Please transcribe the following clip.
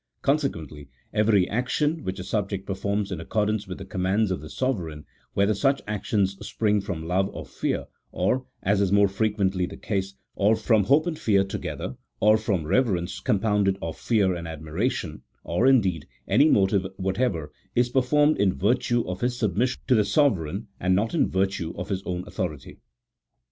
Consequently, every action which a subject performs in ac cordance with the commands of the sovereign, whether such action springs from love, or fear, or (as is more frequently the case) from hope and fear together, or from reverence compounded of fear and admiration, or, indeed, any motive whatever, is performed in virtue of his submission to the sovereign, and not in virtue of his own authority.